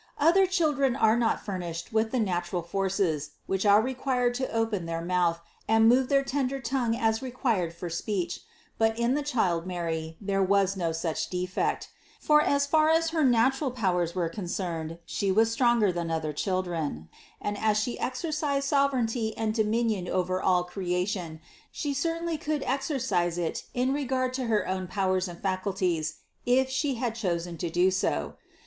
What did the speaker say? Other children are not furnished with the natural forces, which are required to open their mouth and move their tender tongue as required for speech, but in the child Mary there was no such defect; for as far as her natural powers were concerned She was stronger than other children, and as She exercised sovereignty and dominion over all creation, She certainly could exercise it in regard to her own powers and facul ties, if She had chosen to do so.